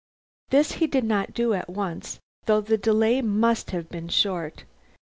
This he did not do at once, though the delay must have been short.